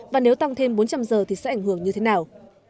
và nếu tăng thêm bốn trăm linh giờ thì sẽ ảnh hưởng như thế nào